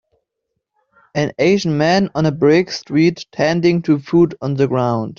An asian man on a brick street tending to food on the ground.